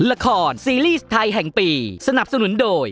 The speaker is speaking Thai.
ละครซีรีส์ไทยแห่งปีสนับสนุนโดย